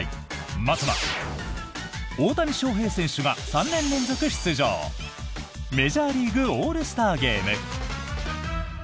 まずは大谷翔平選手が３年連続出場メジャーリーグオールスターゲーム。